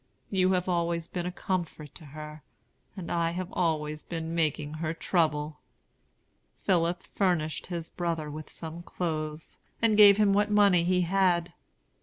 You have always been a comfort to her; and I have always been making her trouble." Philip furnished his brother with some clothes, and gave him what money he had.